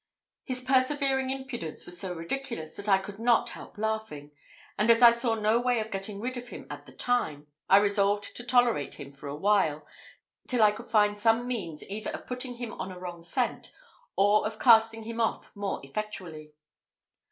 His persevering impudence was so ridiculous, that I could not help laughing; and as I saw no way of getting rid of him at the time, I resolved to tolerate him for a while, till I could find some means either of putting him on a wrong scent, or of casting him off more effectually.